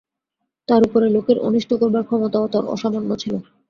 তার উপরে লোকের অনিষ্ট করবার ক্ষমতাও তাঁর অসামান্য ছিল।